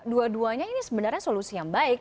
dua duanya ini sebenarnya solusi yang baik